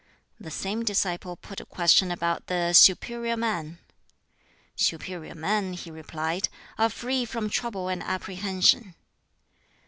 The same disciple put a question about the "superior man." "Superior men," he replied, "are free from trouble and apprehension."